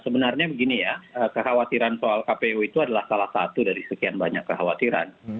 sebenarnya begini ya kekhawatiran soal kpu itu adalah salah satu dari sekian banyak kekhawatiran